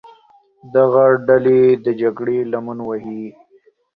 دغه ډلې د جګړې لمن وهي.